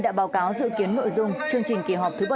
đã báo cáo dự kiến nội dung chương trình kỳ họp thứ bảy